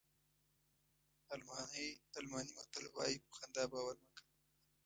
الماني متل وایي په خندا باور مه کوه.